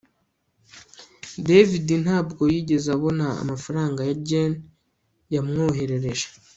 David ntabwo yigeze abona amafaranga Jane yamwoherereje